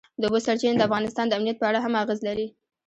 د اوبو سرچینې د افغانستان د امنیت په اړه هم اغېز لري.